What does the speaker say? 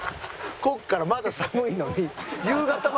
ここからまだ寒いのに。